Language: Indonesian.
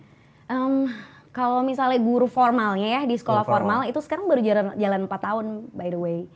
ehm kalo misalnya guru formalnya ya di sekolah formal itu sekarang baru jalan empat tahun btw